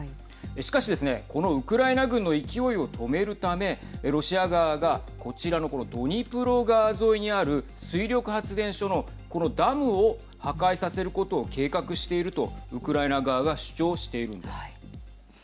しかしですね、このウクライナ軍の勢いを止めるためロシア側がこちらのこのドニプロ川沿いにある水力発電所の、このダムを破壊させることを計画しているとウクライナ側が主張しているんです。